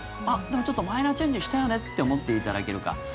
あっ、でもちょっとマイナーチェンジしたよねって思っていただけるか